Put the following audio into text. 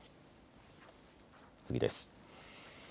次です。